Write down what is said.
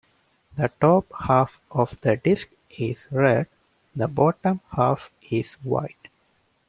The top half of the disk is red, the bottom half is white.